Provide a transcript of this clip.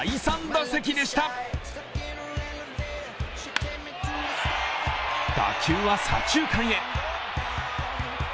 打球は左中間へ。